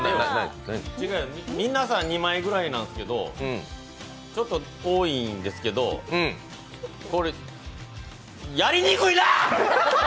皆さん２枚ぐらいなんですけどちょっと多いんですけどこれやりにくいな！